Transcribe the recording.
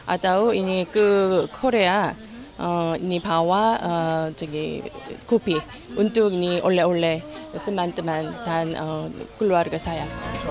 atau ini ke korea ini bawa kopi untuk oleh oleh teman teman dan keluarga saya